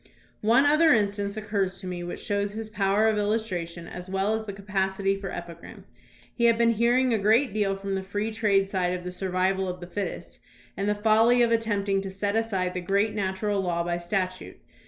One other instance occurs to me which shows his power of illustration as well as the capacity for epi gram. We had been hearing a great deal from the free trade side of the "survival of the fittest" and the folly of attempting to set aside the great natural law by statute.